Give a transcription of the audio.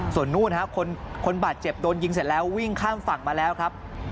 ส่วนนู่นคนบาดเจ็บโดนยิงเสร็จแล้ววิ่งข้ามฝั่งมาแล้วครับ